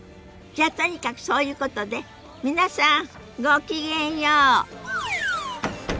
じゃとにかくそういうことで皆さんごきげんよう。